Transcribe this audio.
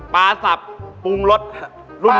ปลาสับปุงรสรุ่นนี้ถูก